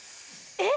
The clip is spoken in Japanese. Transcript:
えっ！